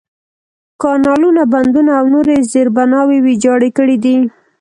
کانالونه، بندونه، او نورې زېربناوې ویجاړې کړي دي.